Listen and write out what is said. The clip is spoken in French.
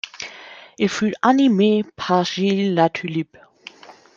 Il fut animé par Gilles Latulippe.